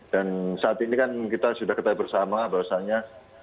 dan saat ini kan kita sudah ketahui bersama bahwasanya